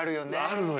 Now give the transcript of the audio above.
あるのよ。